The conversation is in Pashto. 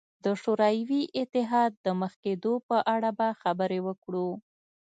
د شوروي اتحاد د مخ کېدو په اړه به خبرې وکړو.